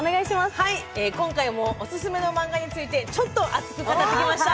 今回もオススメのマンガについてちょっと熱く語ってきました。